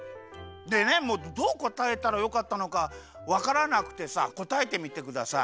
でねどうこたえたらよかったのかわからなくてさこたえてみてください。